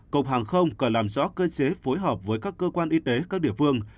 cục hàng không cần làm rõ cơ chế phối hợp với các cơ quan y tế các địa phương